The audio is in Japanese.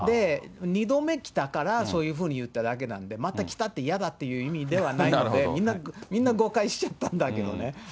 ２度目来たから、そういうふうに言っただけなんで、また来たって、嫌だっていう意味ではないんで、みんな誤解しちゃったんだけどね。